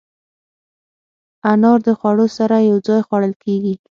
انار د خوړو سره یو ځای خوړل کېږي.